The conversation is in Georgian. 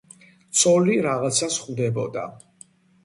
ცოლი რაღაცას ხვდებოდა